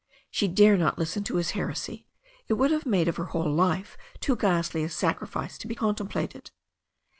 She dare not listen to his heresy. It would have made of her whole life too ghastly a sacrifice to be contemplated.